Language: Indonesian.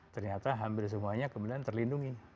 ternyata hampir semuanya kemudian terlindungi